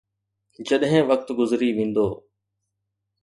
جڏهن وقت گذري ويندو.